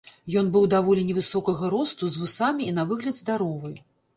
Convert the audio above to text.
Ён быў даволі невысокага росту, з вусамі і на выгляд здаровы.